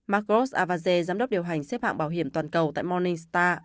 mark gross avazie giám đốc điều hành xếp hạng bảo hiểm toàn cầu tại morningstar